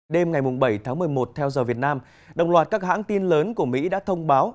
đêm ngày bảy tháng một mươi một theo giờ việt nam đồng loạt các hãng tin lớn của mỹ đã thông báo